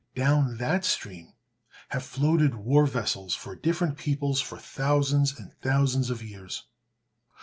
Down that stream have floated war vessels for different peoples for thousands and thousands of years.